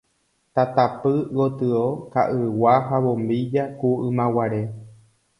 tatapy gotyo ka'ygua ha bombilla ku ymaguare